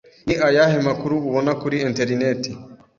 Ni ayahe makuru ubona kuri interineti?